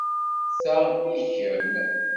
Ta i kemm.